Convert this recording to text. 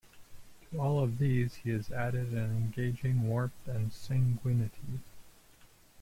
To all of these, he has added an engaging warmth and sanguinity.